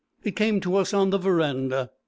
It came to us on the verandah.